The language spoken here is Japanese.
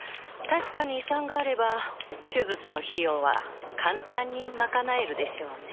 確かに遺産があれば手術の費用は簡単に賄えるでしょうね。